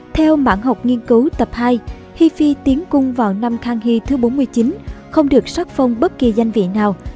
theo mạng học nghiên cứu tập hai hi phi tiến cung vào năm khang hy thứ bốn mươi chín không được sát phong bất kỳ danh vị nào